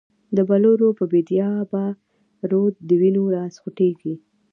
د بلورو په بید یا به، رود د وینو را خوټیږی